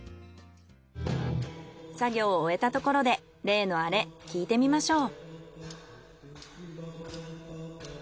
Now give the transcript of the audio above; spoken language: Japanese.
作業を終えたところで例のアレ聞いてみましょう。